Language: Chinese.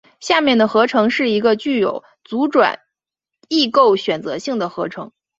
下面的合成是一个具有阻转异构选择性的合成。